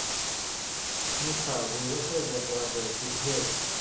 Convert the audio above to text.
มีข่าวลือว่าเสื้อแดงจะระเบิดกรุงเทพ